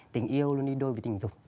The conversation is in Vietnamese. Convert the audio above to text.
tình yêu luôn đi đôi với tình dục